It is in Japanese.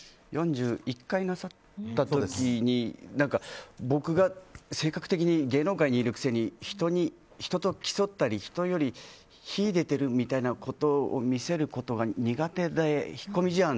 ４１回なさった時に僕が性格的に芸能界にいるくせに人と競ったり人より秀でてるみたいなことを見せることが苦手で、引っ込み思案。